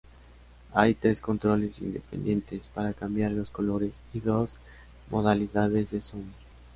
Hay tres controles independientes para cambiar los colores y dos modalidades de zoom.